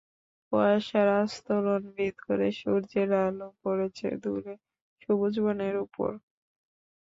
কুয়াশার আস্তরণ ভেদ করে সূর্যের আলো পড়েছে দূরে, সবুজ বনের ওপর।